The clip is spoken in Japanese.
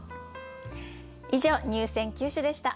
以上入選九首でした。